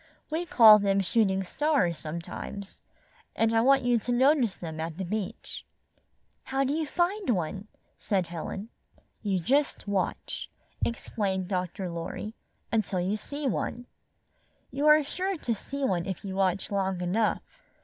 We call them shooting stars sometimes, and I want you to notice them at the beach." "How do you find one?" asked Helen. 38 "You just watch," explained Dr. Lorry, "until you see one. You are sure to see one if you watch long enough.